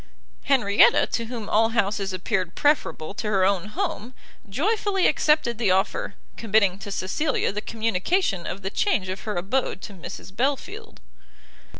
Henrietta, to whom all houses appeared preferable to her own home, joyfully accepted the offer, committing to Cecilia the communication of the change of her abode to Mrs Belfield.